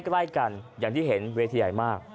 ใกล้กันอย่างที่เห็นเวทีใหญ่มาก